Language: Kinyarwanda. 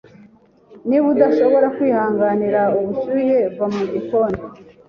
Niba udashobora kwihanganira ubushyuhe, va mu gikoni.